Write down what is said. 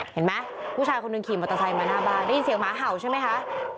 เห็นไหมผู้ชายคนหนึ่งขี่มอเตอร์ไซค์มาหน้าบ้านได้ยินเสียงหมาเห่าใช่ไหมคะ